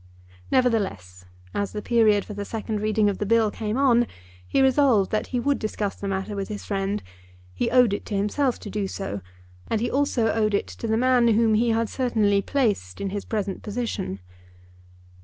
Nevertheless, as the period for the second reading of the Bill came on, he resolved that he would discuss the matter with his friend. He owed it to himself to do so, and he also owed it to the man whom he had certainly placed in his present position.